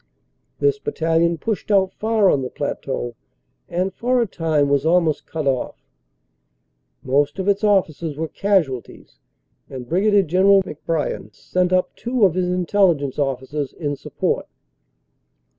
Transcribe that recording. This battalion pushed out far on the plateau and for a time was almost cut off. Most of its officers were casualties and Brig. General McBrien sent up two of his Intelligence officers in support.